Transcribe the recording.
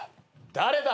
誰だ？